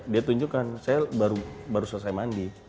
dia tunjukkan saya baru selesai mandi